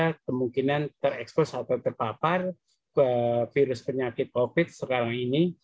karena kemungkinan terekspos atau terpapar virus penyakit covid sembilan belas sekarang ini